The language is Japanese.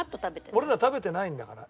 俺ら食べてないんだから。